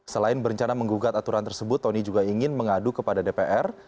selain berencana menggugat aturan tersebut tony juga ingin mengadu kepada dpr